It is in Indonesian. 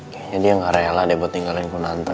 kayaknya dia gak rela deh buat tinggalin ku nanta